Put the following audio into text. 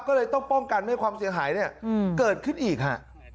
ก็เลยต้องป้องกันไม่ให้ความเสียหายเกิดขึ้นอีกฮะ